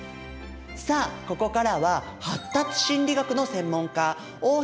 さあここからは発達心理学の専門家大日向雅美